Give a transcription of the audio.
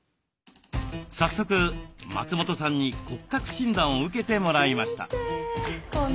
早速松本さんに骨格診断を受けてもらいました。